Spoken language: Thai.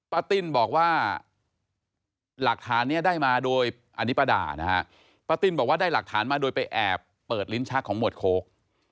ป้าติ้นบอกว่าหลักฐานนี้ได้มาโดยอันนี้ป้าด่านะฮะป้าติ้นบอกว่าได้หลักฐานมาโดยไปแอบเปิดลิ้นชักของหมวดโค้ก